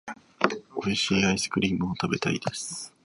美味しいアイスクリームを食べたいです。